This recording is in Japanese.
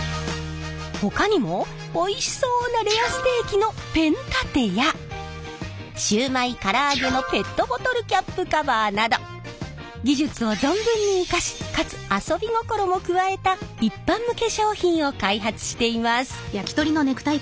ほかにもおいしそうなレアステーキのペン立てやシューマイから揚げのペットボトルキャップカバーなど技術を存分に生かしかつ遊び心も加えた一般向け商品を開発しています！